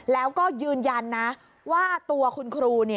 แล้วก็ยืนยันนะว่าตัวคุณครู